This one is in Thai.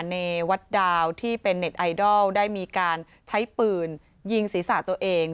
เนวัดดาวที่เป็นเน็ตไอดอลได้มีการใช้ปืนยิงศีรษะตัวเอง